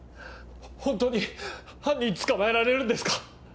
本当に犯人捕まえられるんですか？